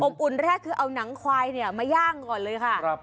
อุ่นแรกคือเอาหนังควายเนี่ยมาย่างก่อนเลยค่ะ